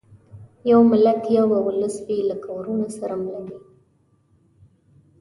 یو ملت یو به اولس وي لکه وروڼه سره مله وي